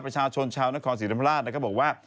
ประชาชนชาวนครศรีธรรมราชนะครับบอกว่า